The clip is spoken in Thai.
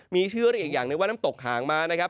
มีชื่ออะไรอีกอย่างนะครับว่าน้ำตกห่างมานะครับ